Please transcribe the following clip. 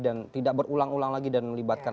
dan tidak berulang ulang lagi dan melibatkan